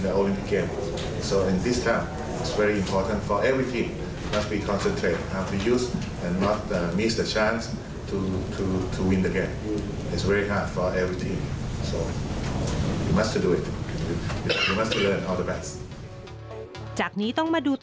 ที่สาธารณะวอลเล็กบอลอนาชาติ